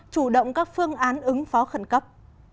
chủ động các phương án ứng phó khẩn cấp